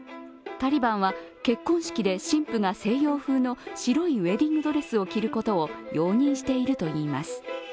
タリバンは結婚式で新婦が西洋風の白いウエディングドレスを着ることを容認しているといいます。